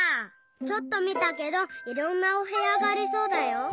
ちょっとみたけどいろんなおへやがありそうだよ。